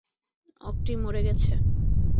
অক্টি মরে গেছে।